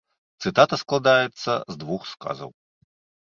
Цытата складаецца з двух сказаў.